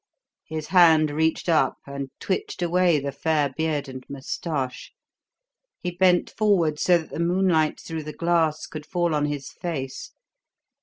His hand reached up and twitched away the fair beard and moustache; he bent forward so that the moonlight through the glass could fall on his face.